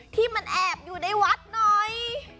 ที่มันแอบอยู่ในวัดหน่อย